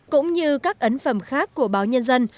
cũng như các ấn phẩm khác của báo nhân dân